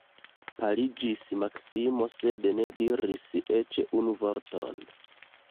Paliĝis Maksimo, sed ne diris eĉ unu vorton.